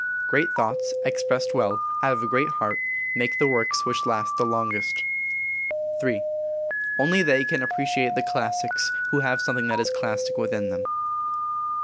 Great thoughts, expressed well, out of a great heart, make the works which last the longest. III. Only they can appreciate the classics who have something that is classic within them.